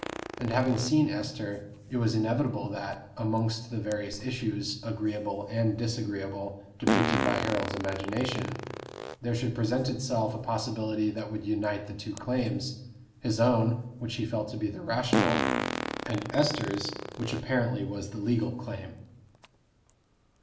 And having seen Esther, it was inevitable that, amongst the various issues, agreeable and disagreeable, depicted by Harold's imagination, there should present itself a possibility that would unite the two claims his own, which he felt to be the rational, and Esther's, which apparently was the legal claim.